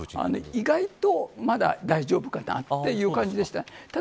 意外と、まだ大丈夫かなという感じでした。